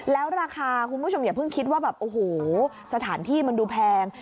แล้วราคาคุณผู้ชมอย่าเพิ่งคิดว่าแบบโอ้โหสถานที่มันดูแพง